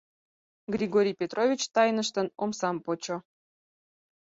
Григорий Петрович, тайныштын, омсам почо.